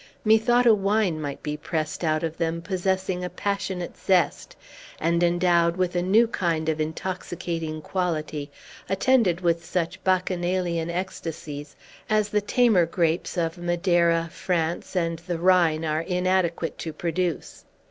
Methought a wine might be pressed out of them possessing a passionate zest, and endowed with a new kind of intoxicating quality, attended with such bacchanalian ecstasies as the tamer grapes of Madeira, France, and the Rhine are inadequate to produce.